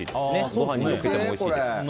ご飯にのっけてもおいしいです。